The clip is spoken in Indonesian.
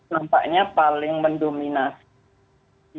lampaknya paling mendominasi